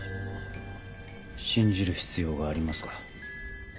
信じる必要がありますか？